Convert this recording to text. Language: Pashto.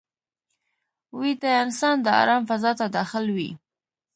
ویده انسان د آرام فضا ته داخل وي